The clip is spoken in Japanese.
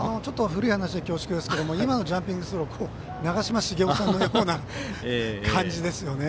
古い話で恐縮ですけど今のジャンピングスロー長嶋茂雄さんのような感じですね。